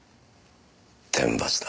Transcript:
天罰だ。